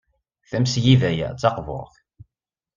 Tamesgida-a d taqburt.